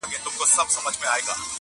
پرون یې کلی، نن محراب سبا چنار سوځوي؛